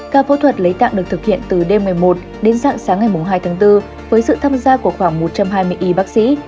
cả phẫu thuật lấy tặng được thực hiện từ đêm một mươi một đến sáng sáng ngày hai bốn với sự tham gia của khoảng một trăm hai mươi y bác sĩ